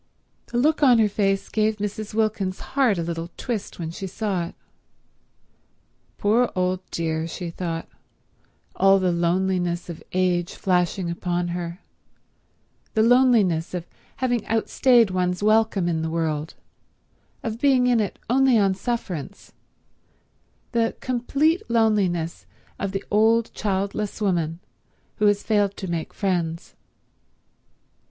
.. The look on her face gave Mrs. Wilkins's heart a little twist when she saw it. "Poor old dear," she thought, all the loneliness of age flashing upon her, the loneliness of having outstayed one's welcome in the world, of being in it only on sufferance, the complete loneliness of the old childless woman who has failed to make friends.